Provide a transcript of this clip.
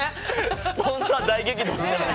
スポンサー大激怒ですよね。